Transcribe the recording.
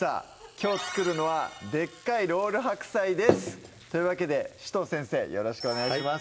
きょう作るのは「でっかいロール白菜」ですというわけで紫藤先生よろしくお願いします